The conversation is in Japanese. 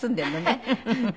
フフフフ。